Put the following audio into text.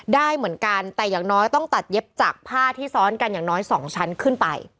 ได้เหมือนกันแต่อย่างน้อยต้องตัดเย็บจากผ้าที่ซ้อนกันอย่างน้อย๒ชั้นขึ้นไป